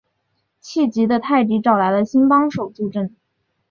气急的泰迪找来了新帮手助阵。